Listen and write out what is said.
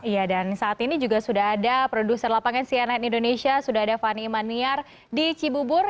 ya dan saat ini juga sudah ada produser lapangan cnn indonesia sudah ada fani imaniar di cibubur